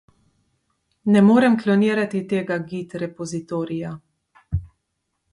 Ne morem klonirati tega git repozitorija.